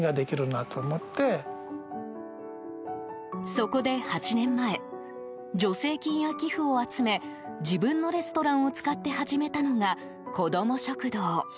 そこで８年前助成金や寄付を集め自分のレストランを使って始めたのが、こども食堂。